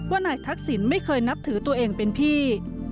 นายทักษิณไม่เคยนับถือตัวเองเป็นพี่